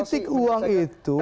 politik uang itu